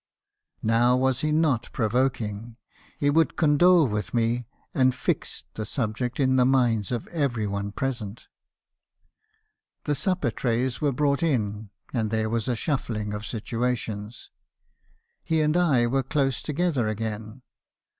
"Now was not he provoking? He would condole with me, and fixed the subject in the minds of every one present. "The supper trays were brought in, and there was a shuffling of situations. He and I were close together again.